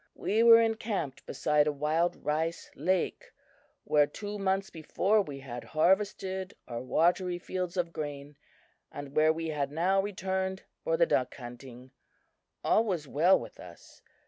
We were encamped beside a wild rice lake, where two months before we had harvested our watery fields of grain, and where we had now returned for the duck hunting. All was well with us.